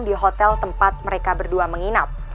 di hotel tempat mereka berdua menginap